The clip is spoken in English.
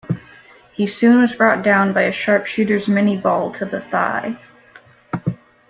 He soon was brought down by a sharpshooter's minie ball to the thigh.